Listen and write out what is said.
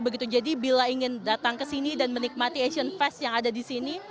begitu jadi bila ingin datang ke sini dan menikmati asian fest yang ada di sini